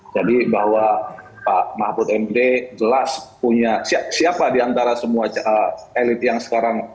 jadi bahwa pak mahfud md jelas punya siapa diantara semua elit yang sekarang